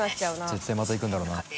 絶対また行くんだろうな。